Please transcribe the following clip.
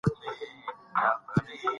خیراتي کارونه ټولنه پیاوړې کوي.